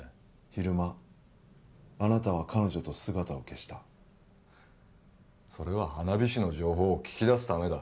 昼間あなたは彼女と姿を消したそれは花火師の情報を聞き出すためだ